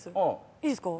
いいですか。